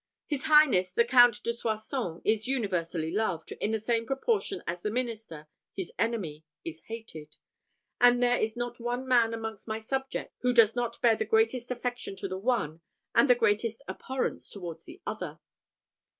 "His highness the Count de Soissons is universally loved, in the same proportion that the minister, his enemy, is hated; and there is not one man amongst my subjects who does not bear the greatest affection to the one, and the greatest abhorrence towards the other."